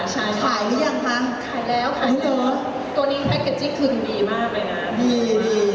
๙๐๖แต่ทางท้องพี่โภคจบเป็นต้น